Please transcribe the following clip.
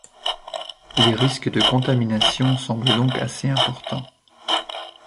Les risques de contaminations semblent donc assez importants.